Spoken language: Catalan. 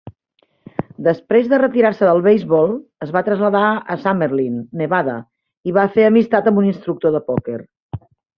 Després de retirar-se del beisbol, es va traslladar a Summerlin, Nevada, i va fer amistat amb un instructor de pòquer.